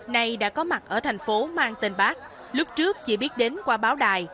nay đã có mặt ở thành phố mang tên bác lúc trước chỉ biết đến qua báo đài